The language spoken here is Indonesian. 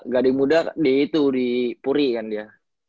gade muda di itu di puri kan dia